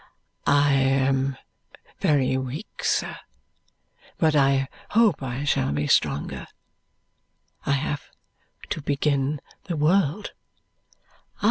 "I am very weak, sir, but I hope I shall be stronger. I have to begin the world."